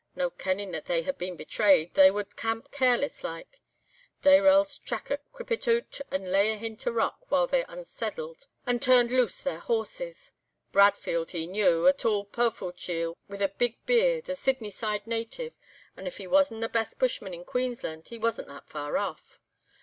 No kenning that they had been betrayed, they wad camp careless like. Dayrell's tracker creepit oot and lay ahint a rock while they unsaiddled and turned loose their horses. Bradfield he knew—a tall powerfu' chiel, with a big beard, a Sydney side native, and if he wasna the best bushman in Queensland, he wasna that far aff.